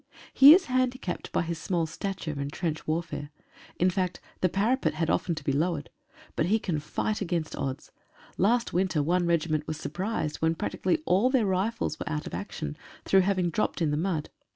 He is handicapped by his small stature, in trench warfare. In fact, the parapet had often to be lowered. But he can fight against odds. Last winter one regiment was surprised, when practically all their rifles were out of action through having dropped in the mud.